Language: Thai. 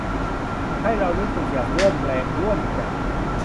ให้เรารู้สึกอยากร่วมแรงร่วมใจ